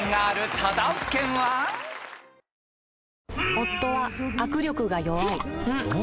夫は握力が弱い